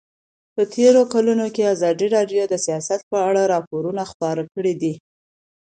په تېرو کلونو کې ازادي راډیو د سیاست په اړه راپورونه خپاره کړي دي.